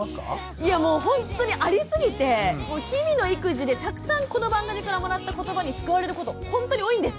いやもうほんとにありすぎてもう日々の育児でたくさんこの番組からもらったことばに救われることほんとに多いんですけど。